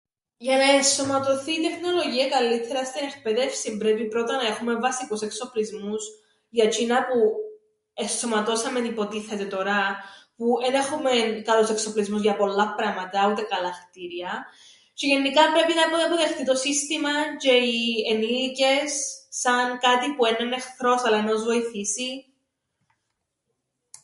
Για να ενσωματωθεί η τεχνολογία καλλύττερα στην εκπαίδευση πρέπει πρώτα να έχουμε βασικούς εξοπλισμούς, για τζ̆είνα που ενσωματώσαμεν υποτίθεται τωρά, που εν εχουμε καλούς εξοπλισμούς για πολλά πράματα ούτε καλά κτήρια τζ̆αι γεννικά πρέπει να αποδεχτεί το σύστημαν τζ̆αι οι ενήλικες σαν κάτι που έννεν' εχθρός αλλά εννά τους βοηθήσει.